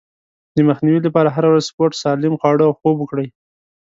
د مخنيوي لپاره هره ورځ سپورت، سالم خواړه او خوب وکړئ.